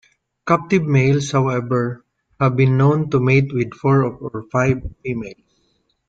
Captive males, however, have been known to mate with four or five females.